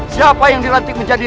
siapa yang dilatih untuk menjadi